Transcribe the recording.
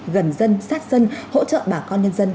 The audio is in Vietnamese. gần dân sát dân hỗ trợ bà con nhân dân